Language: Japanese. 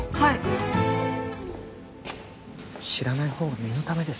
知らないほうが身のためです。